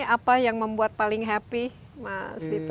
apa yang membuat paling happy